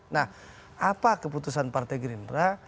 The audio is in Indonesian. nah apa keputusan partai gerindra